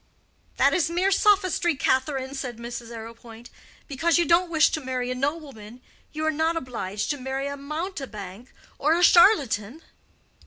"That is mere sophistry, Catherine," said Mrs. Arrowpoint. "Because you don't wish to marry a nobleman, you are not obliged to marry a mountebank or a charlatan."